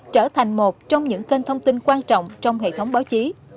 trong hệ thống báo chí